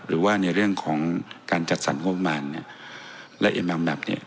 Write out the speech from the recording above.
หรือว่าในเรื่องของการจัดสรรความประมาณเนี่ยและเอียดแบบนี้